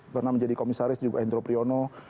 pernah menjadi komisaris juga hendro priyono